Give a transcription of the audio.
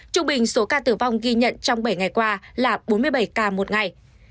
trung bình số ca tử vong ghi nhận trong bảy ngày qua là bốn mươi bảy ca một ngày